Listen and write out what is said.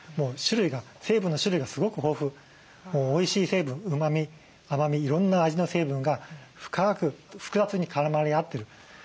成分の種類がすごく豊富おいしい成分うまみ甘みいろんな味の成分が深く複雑に絡まり合ってる。